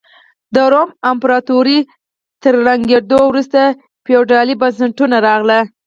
د روم امپراتورۍ تر ړنګېدو وروسته فیوډالي بنسټونه راغلل.